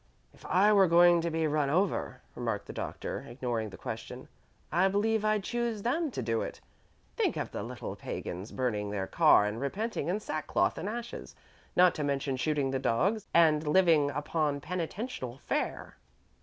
"If I were going to be run over," remarked the Doctor, ignoring the question, "I believe I'd choose them to do it. Think of the little pagans burning their car and repenting in sackcloth and ashes, not to mention shooting the dogs and living upon penitential fare."